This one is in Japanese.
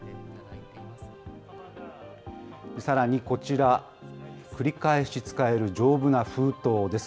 さらに、こちら、繰り返し使える、丈夫な封筒です。